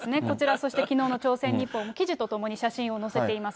そしてきのうの朝鮮日報も記事と共に写真を載せています。